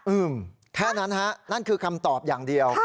แค่นั้นฮะนั่นคือคำตอบอย่างเดียว